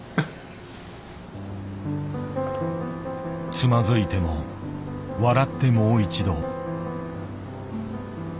つまずいても笑ってもう一度。